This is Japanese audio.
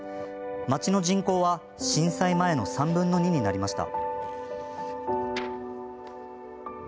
町の人口は震災前の３分の２になりました。